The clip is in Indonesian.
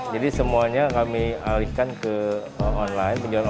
jadi semuanya kami alihkan ke online